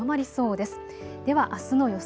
ではあすの予想